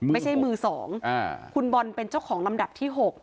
ไม่ใช่มือ๒คุณบอลเป็นเจ้าของลำดับที่๖